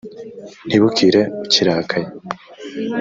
ntibukire ukirakaye